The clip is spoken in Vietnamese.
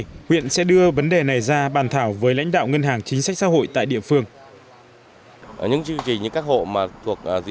trước đó huyện sẽ đưa vấn đề này ra bàn thảo với lãnh đạo ngân hàng chính sách xã hội tại địa phương